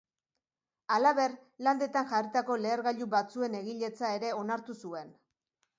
Halaber, Landetan jarritako lehergailu batzuen egiletza ere onartu zuen.